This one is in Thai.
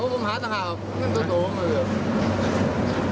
อันนั้นผมหาตัวขาวเงินส่วนสูงเลยครับ